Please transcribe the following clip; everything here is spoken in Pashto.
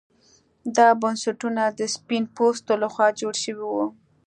دا بنسټونه د سپین پوستو لخوا جوړ شوي وو.